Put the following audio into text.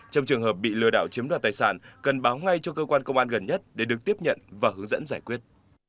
trong trường hợp bị lừa đảo chiếm đoạt tài sản cần báo ngay cho cơ quan công an gần nhất để được tiếp nhận và hướng dẫn giải quyết